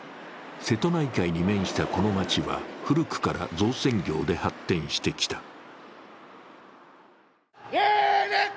瀬戸内海に面したこの街は古くから造船業で発展してきた。